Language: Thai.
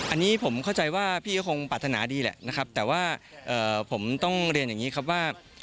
อันนี้ผมเข้าใจว่าพี่ก็คงปรารถนาดีแหละนะครับแต่ว่าผมต้องเรียนอย่างนี้ครับว่า